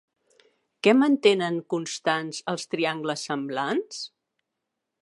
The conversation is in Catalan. Què mantenen constants els triangles semblants?